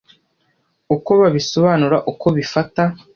uko babisobanura, uko bifata